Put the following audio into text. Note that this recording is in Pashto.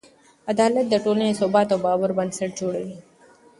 عدالت د ټولنې د ثبات او باور بنسټ جوړوي.